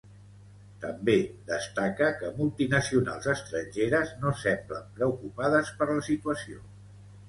També destaca que multinacionals estrangeres ‘no semblen preocupades per la situació’.